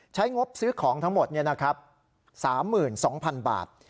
ใช้งบซื้อของทั้งหมดเนี่ยนะครับ๓๒๐๐๐บาท